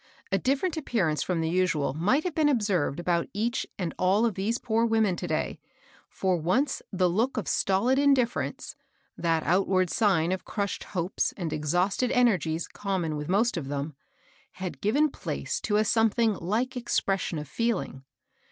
A different ap pearance from the usual one might have been observed about each and all of these poor women to day ; for once the look of stolid indiffer ence, — that outward sign of crushed hopes and exha^sted energies common with most of them, — had given place to a something like expression of feeling.